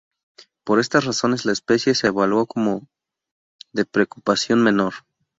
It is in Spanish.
Por estas razones, la especie se evaluó como de Preocupación Menor.